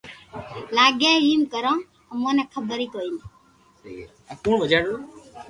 لاگي ايم ھي ڪرو اموني تو خبر ھي ڪوئي